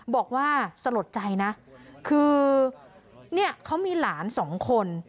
บอกว่าสะหรับใจนะคือเขามีหลานสองคน